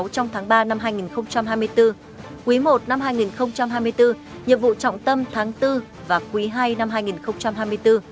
trong tháng ba năm hai nghìn hai mươi bốn quý i năm hai nghìn hai mươi bốn nhiệm vụ trọng tâm tháng bốn và quý ii năm hai nghìn hai mươi bốn